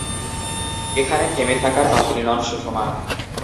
এখানেই থেমে থাকার পাত্রী নন সুষমা।